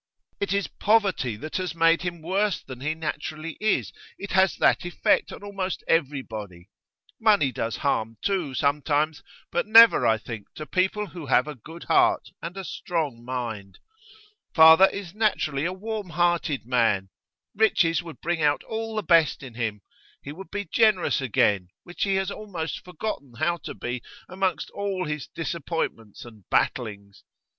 It is poverty that has made him worse than he naturally is; it has that effect on almost everybody. Money does harm, too, sometimes; but never, I think, to people who have a good heart and a strong mind. Father is naturally a warm hearted man; riches would bring out all the best in him. He would be generous again, which he has almost forgotten how to be among all his disappointments and battlings.